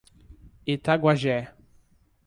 Itaguajé